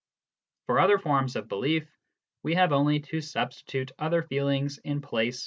For other forms of belief, we have only to substitute other feelings in place of assent.